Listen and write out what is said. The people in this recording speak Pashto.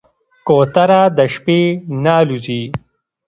کوتره د شپې نه الوزي.